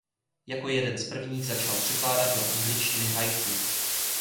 Jako jeden z prvních začal překládat do angličtiny haiku.